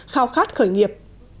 khao khát khởi nghiệp